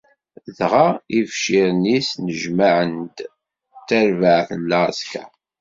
Dɣa ibciren-is nnejmaɛen-d d tarbaɛt n lɛesker.